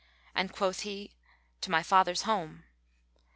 and quoth he, "To my father's home."